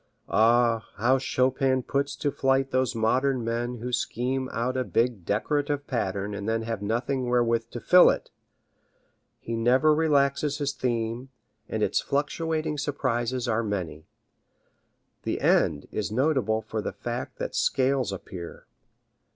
Ah, how Chopin puts to flight those modern men who scheme out a big decorative pattern and then have nothing wherewith to fill it! He never relaxes his theme, and its fluctuating surprises are many. The end is notable for the fact that scales appear.